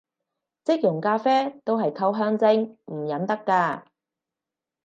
即溶咖啡都係溝香精，唔飲得咖